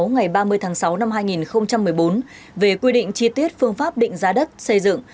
ngày ba mươi tháng sáu năm hai nghìn một mươi bốn về quy định chi tiết phương pháp định giá đất xây dựng